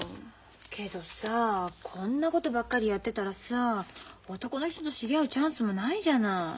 けどさこんなことばっかりやってたらさ男の人と知り合うチャンスもないじゃない。